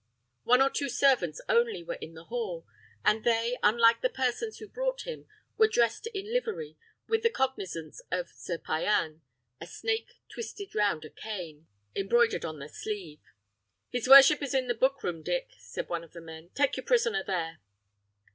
One or two servants only were in the hall; and they, unlike the persons who brought him, were dressed in livery, with the cognizance of Sir Payan a snake twisted round a crane embroidered on the sleeve. "His worship is in the book room, Dick," said one of the men; "take your prisoner there."